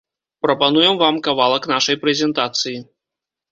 Прапануем вам кавалак нашай прэзентацыі.